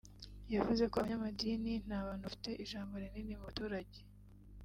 yavuze ko abanyamadini n’abantu bafite ijambo rinini mu baturage